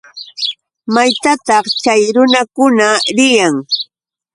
¿Maytataq chay runakuna riyan?